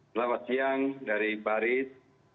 selamat siang dari paris